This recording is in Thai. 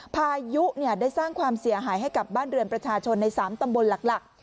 พายุได้สร้างความเสียหายให้กับบ้านเรือนประชาชนใน๓ตำบลหลัก